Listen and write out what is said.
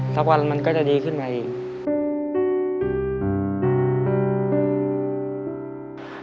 สักวันมันก็จะดีขึ้นมาอีก